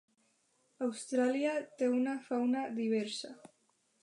Austràlia té una fauna diversa.